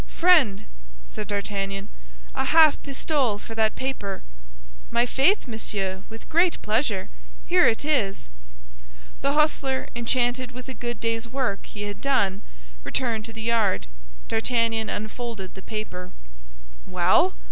"Friend," said D'Artagnan, "a half pistole for that paper!" "My faith, monsieur, with great pleasure! Here it is!" The hostler, enchanted with the good day's work he had done, returned to the yard. D'Artagnan unfolded the paper. "Well?"